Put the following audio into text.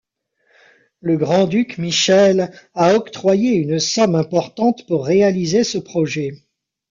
Le grand-duc Michel a octroyé une somme importante pour réaliser ce projet.